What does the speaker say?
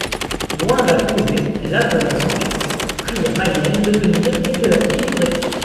Loin d'approuver, elle appela son fils, pria Mayenne de venir et de la délivrer.